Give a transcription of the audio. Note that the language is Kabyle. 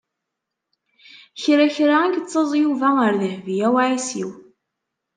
Kra kra i yettaẓ Yuba ar Dehbiya u Ɛisiw.